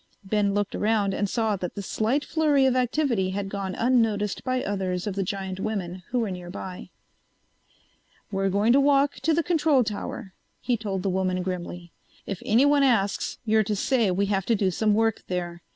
Ben looked around and saw that the slight flurry of activity had gone unnoticed by others of the giant women who were nearby. "We're going to walk to the control tower," he told the woman grimly. "If anyone asks you're to say we have to do some work there.